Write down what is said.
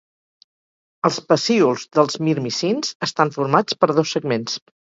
Els pecíols dels mirmicins estan formats per dos segments.